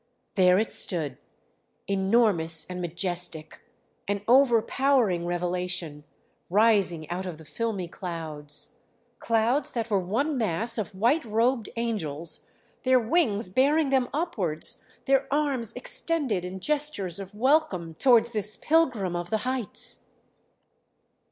There it stood, enormous and majestic, an overpowering revelation rising out of the filmy clouds clouds that were one mass of white robed angels, their wings bearing them upwards, their arms extended in gestures of welcome towards this pilgrim of the heights!